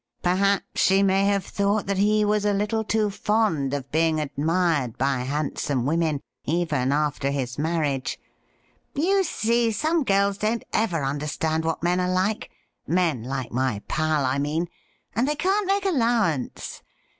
Perhaps she may have thought that he was a little too fond of being admired by handsome women — 46 THE RIDDLE RING even after his marriage. You see, some girls don't ever understand what men are like — men like my pal, I mean — and they can't make allowance.